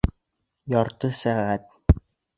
Ярты сәғәт